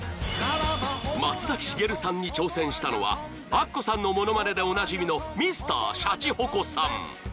［松崎しげるさんに挑戦したのはアッコさんの物まねでおなじみのＭｒ．シャチホコさん］